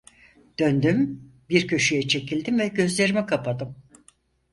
Döndüm, bir köşeye çekildim ve gözlerimi kapadım.